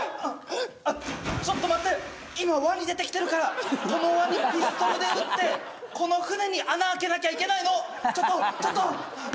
あっちょっと待って今ワニ出てきてるからこのワニピストルで撃ってこの船に穴開けなきゃいけないのちょっとちょっと！